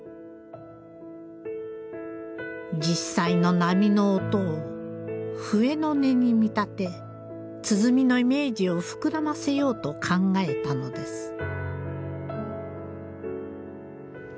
実際の波の音を笛の音に見立て鼓のイメージを膨らませようと考えたのです。